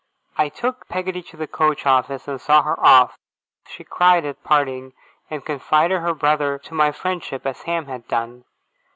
I took Peggotty to the coach office and saw her off. She cried at parting, and confided her brother to my friendship as Ham had done.